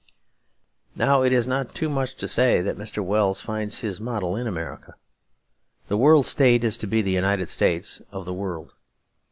Now it is not too much to say that Mr. Wells finds his model in America. The World State is to be the United States of the World.